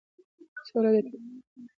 سوله د ټولنیز یووالي لامل کېږي.